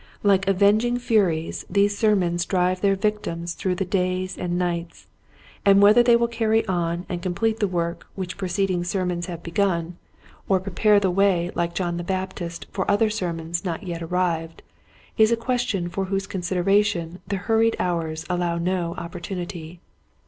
Like avenging furies these sermons drive their victims through the days and nights, and whether they will carry on and com plete the work which preceding sermons Building the Tower. 95 have begun or prepare the way Hke John the Baptists for other sermons not yet arrived is a question for whose consider ation the hurried hours allow no oppor tunity.